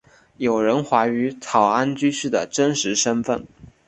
有人怀疑草庵居士的真实身份。